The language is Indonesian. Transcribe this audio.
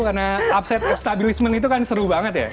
karena upset upstabilismen itu kan seru banget ya